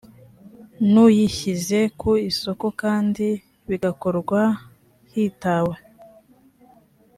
n uyishyize ku isoko kandi bigakorwa hitawe